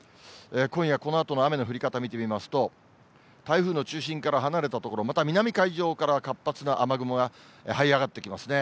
今夜、このあとの雨の降り方見てみますと、台風の中心から離れた所、また南海上から活発な雨雲がはい上がってきますね。